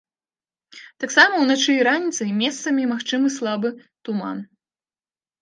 Таксама ўначы і раніцай месцамі магчымы слабы туман.